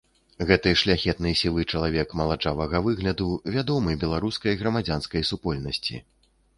Гэты шляхетны сівы чалавек маладжавага выгляду вядомы беларускай грамадзянскай супольнасці.